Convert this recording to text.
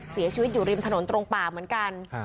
เสียชีวิตอยู่ริมถนนตรงป่าเหมือนกัน